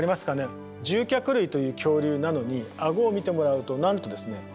獣脚類という恐竜なのに顎を見てもらうとなんとですね